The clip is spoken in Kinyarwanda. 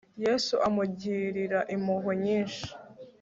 yesu amugirira impuhwe nyinshi